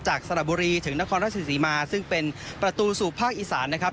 สระบุรีถึงนครราชศรีมาซึ่งเป็นประตูสู่ภาคอีสานนะครับ